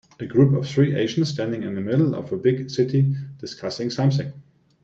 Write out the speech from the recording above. A group of three Asians standing in the middle of a big city discussing something.